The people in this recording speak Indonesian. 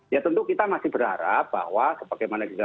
ya tentu kita masih berharap bahwa sebagaimana disampaikan